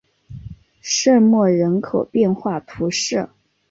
圣莫人口变化图示